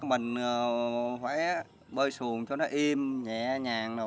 mình phải bơi xuồng cho nó im nhẹ nhàng